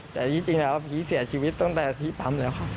แต่จริงแล้วพี่เสียชีวิตตั้งแต่ที่ปั๊มแล้วครับ